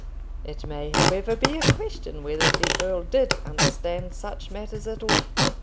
It may, however, be a question whether the earl did understand such matters at all.